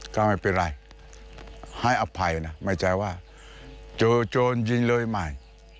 ก็ไม่เป็นไรให้อภัยนะไม่ใจว่าโจรยิ่งเลยไหม